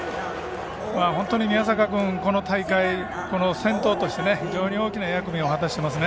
本当に宮坂君、この大会先頭として非常に大きな役目を果たしていますね。